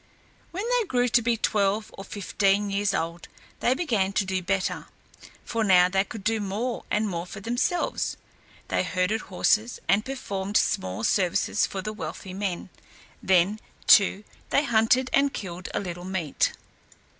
When they grew to be twelve or fifteen years old they began to do better, for now they could do more and more for themselves. They herded horses and performed small services for the wealthy men; then, too, they hunted and killed a little meat.